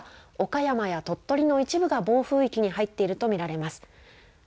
今、岡山や鳥取の一部が暴風域に入っていると見られます。